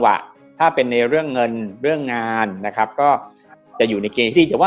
แต่ถ้าเป็นเรื่องเงินเรื่องงานจะอยู่ในเกณฑ์ที่ดี